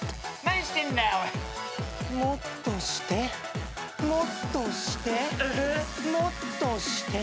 もっとしてもっとして。